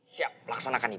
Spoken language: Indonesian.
siap laksanakan ini